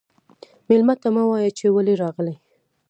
مېلمه ته مه وايه چې ولې راغلې.